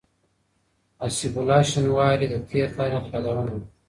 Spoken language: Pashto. حسيب الله شينواري د تېر تاريخ يادونه وکړه.